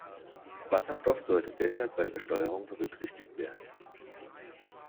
Wasserstoff sollte deshalb bei der Besteuerung berücksichtigt werden.